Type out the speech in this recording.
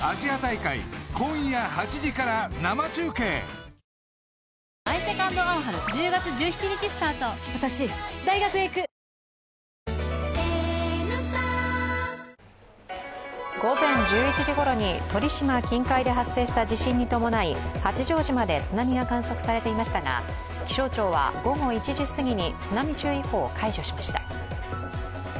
そうかこの肌とあと５０年その場しのぎじゃない一生ものの素肌午前１１時ごろに鳥島近海で発生した地震に伴い、八丈島で津波が観測されていましたが、気象庁は午後１時すぎに津波注意報を解除しました。